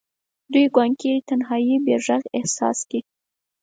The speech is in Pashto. د یوې ګونګې تنهايۍ بې ږغ احساس کې